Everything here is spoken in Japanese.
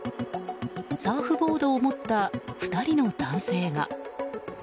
サーフボードを持った２人の男性が。